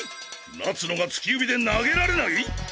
夏野が突き指で投げられない？